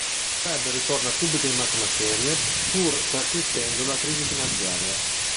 Il club ritorna subito in massima serie pur persistendo la crisi finanziaria.